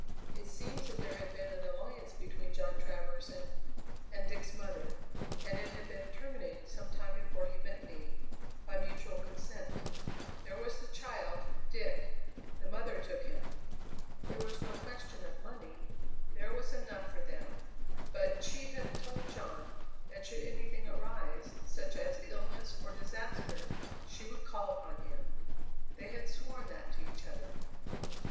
"It seems that there had been an alliance between John Travers and and Dick's mother, and it had been terminated some time before he met me, by mutual consent. There was the child Dick. The mother took him. There was no question of money: there was enough for them, but she had told John that should anything arise, such as illness or disaster, she would call upon him. They had sworn that to each other.